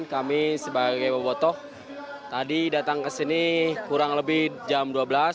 kami sebagai bobotoh tadi datang ke sini kurang lebih jam dua belas